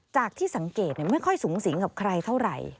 จากที่สังเกตไม่ค่อยสูงสิงกับใครเท่าไหร่